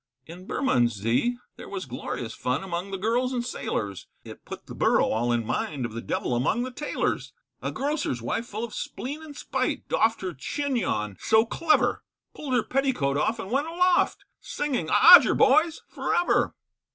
In Bermondsey there was glorious fun Among the girls and sailors, It put the Borough all in mind Of the devil among the tailors. A grocer's wife, full of spleen and spite, Doffed her chignon so clever, Pulled her petticoat off and went aloft, Singing, Odger, boys, for ever.